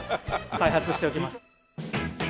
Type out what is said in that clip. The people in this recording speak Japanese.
開発しておきます。